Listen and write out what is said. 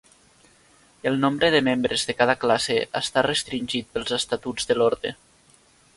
El nombre de membres de cada classe està restringit pels estatuts de l'orde.